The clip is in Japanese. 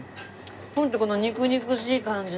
ホントこの肉肉しい感じな。